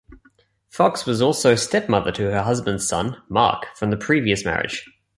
Foxx was also step mother to her husband's son, Mark from a previous marriage.